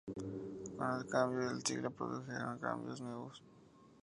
Con el cambio de siglo se produjeron nuevos cambios.